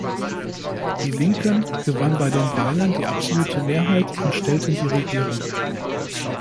Die Linken gewann bei beiden Wahlen die absolute Mehrheit und stellten die Regierung.